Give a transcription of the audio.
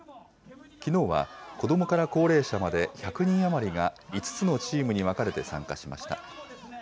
きのうは子どもから高齢者まで１００人余りが５つのチームに分かれて参加しました。